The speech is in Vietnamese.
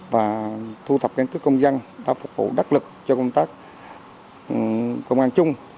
và thu thập những cái công dân đã phục vụ đắc lực cho công tác công an chung